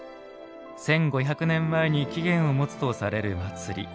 １５００年前に起源を持つとされる祭り。